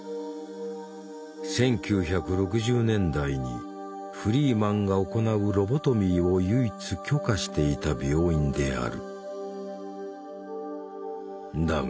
１９６０年代にフリーマンが行うロボトミーを唯一許可していた病院である。